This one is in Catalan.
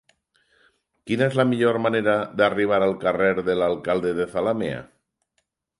Quina és la millor manera d'arribar al carrer de l'Alcalde de Zalamea?